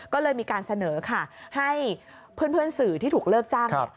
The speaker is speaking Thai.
ก็เลยมีการเสนอค่ะให้เพื่อนสื่อที่ถูกเลิกจ้างเนี่ย